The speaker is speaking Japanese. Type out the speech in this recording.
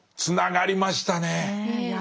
つながりましたね！ねぇ。